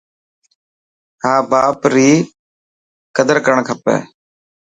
ها باپ ري قدر ڪرڻ کپي.